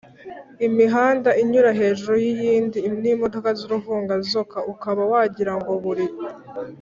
imihanda inyura hejuru y’iyindi n’imodoka z’uruvunganzoka ukaba wagira ngo buri